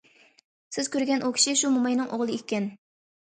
سىز كۆرگەن ئۇ كىشى شۇ موماينىڭ ئوغلى ئىكەن.